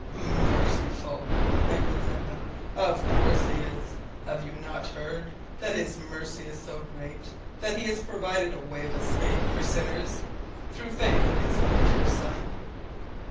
"Merciful!" echoed Zeppa. "Of course He is. Have you not heard that His mercy is so great that He has provided a way of escape for sinners through faith in His own dear Son?"